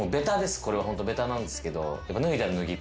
これはホントべたなんですけど。